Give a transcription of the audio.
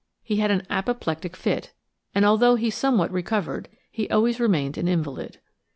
He had an apoplectic fit, and, although he somewhat recovered, he always remained an invalid.